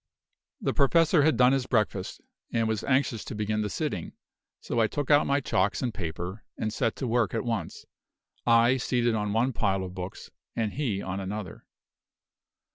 The Professor had done his breakfast, and was anxious to begin the sitting; so I took out my chalks and paper, and set to work at once I seated on one pile of books and he on another.